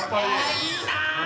えいいな！